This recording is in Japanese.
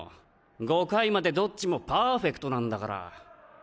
５回までどっちもパーフェクトなんだから。